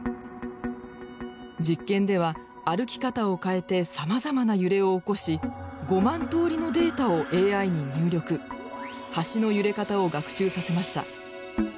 実験では歩き方を変えてさまざまな揺れを起こし５万通りのデータをＡＩに入力橋の揺れ方を学習させました。